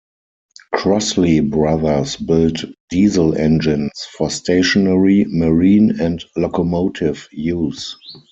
Crossley Brothers built diesel engines for stationary, marine and locomotive use.